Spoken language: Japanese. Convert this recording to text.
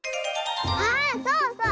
あそうそう！